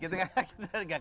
kita gak kelar tuh